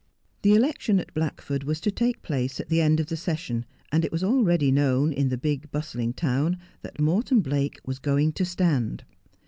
The election at Blackford was to take place at the end of the session, and it was already known in the big, bustling town that Morton Blake was going to stand.